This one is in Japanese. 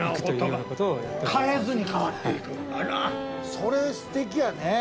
それすてきやね。